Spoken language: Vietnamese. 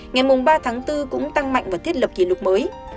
ngày ba tháng bốn cũng tăng mạnh và thiết lập kỷ lục mới